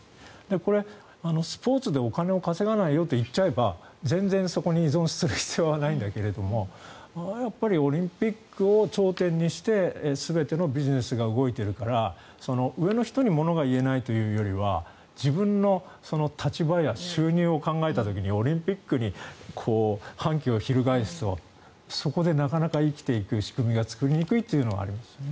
これはスポーツでお金を稼がないよと言っちゃえば全然そこに依存する必要はないんだけどやっぱりオリンピックを頂点にして全てのビジネスが動いているから上の人にものが言えないというよりは自分の立場や収入を考えた時にオリンピックに反旗を翻すのはそこでなかなか生きていく仕組みが作りにくいというのはありますね。